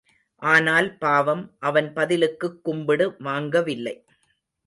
ஆனால் பாவம், அவன் பதிலுக்குக் கும்பிடு வாங்கவில்லை.